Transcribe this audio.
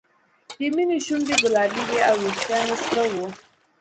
د مینې شونډې ګلابي وې او وېښتان یې سره وو